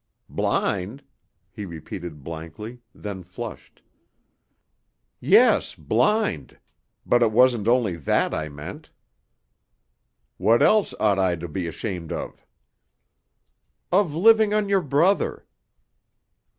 "Blind?" he repeated blankly, then flushed. "Yes, blind. But it wasn't only that I meant." "What else ought I to be ashamed of?" "Of living on your brother."